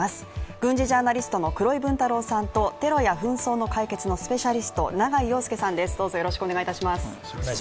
軍事ジャーナリストの黒井文太郎さんと、テロや紛争の解決のスペシャリスト永井陽右さんです。